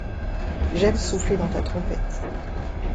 j'aime souffler dans ta trompette.